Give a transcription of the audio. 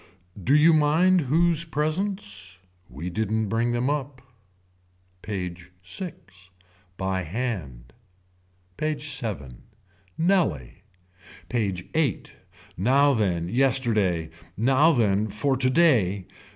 Do you mind whose presents. We didn't bring them up. PAGE VI. By hand. PAGE VII. Nellie. PAGE VIII. Now then yesterday. Now then for today.